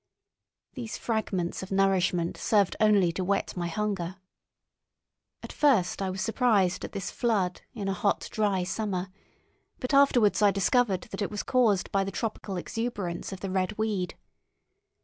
These fragments of nourishment served only to whet my hunger. At first I was surprised at this flood in a hot, dry summer, but afterwards I discovered that it was caused by the tropical exuberance of the red weed.